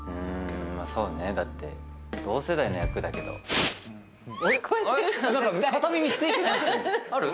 まあそうねだって同世代の役だけどあれある？